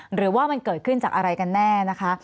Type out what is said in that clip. หรือว่ามันเกิดขึ้นจากอะไรกันแน่นะคะ